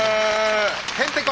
へんてこ